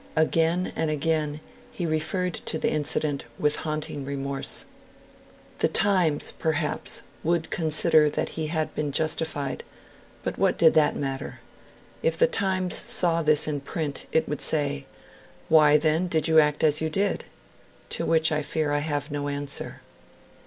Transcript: Again and again he referred to the incident with a haunting remorse. "The Times", perhaps, would consider that he had been justified; but what did that matter? 'If The Times saw this in print, it would say, "Why, then, did you act as you did?" to which I fear I have no answer.'